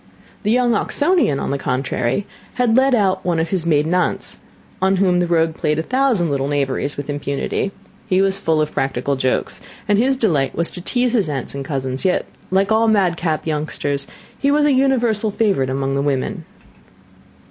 The young Oxonian, on the contrary, had led out one of his maiden aunts, on whom the rogue played a thousand little knaveries with impunity; he was full of practical jokes, and his delight was to tease his aunts and cousins; yet, like all madcap youngsters, he was a universal favourite among the women.